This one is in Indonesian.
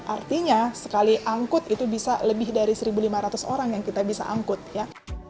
artinya sekali angkut itu bisa lebih dari satu lima ratus orang yang kita bisa angkut ya